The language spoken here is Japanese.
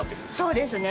そうですね